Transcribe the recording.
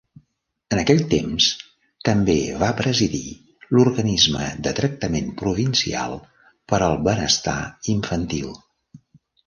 En aquell temps també va presidir l'organisme de tractament provincial per al benestar infantil.